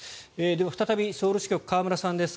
では、再びソウル支局、河村さんです。